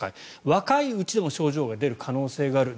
若いうちでも症状が出る可能性がある。